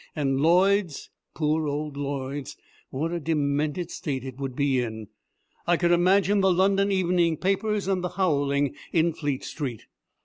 And Lloyd's poor old Lloyd's what a demented state it would be in! I could imagine the London evening papers and the howling in Fleet Street.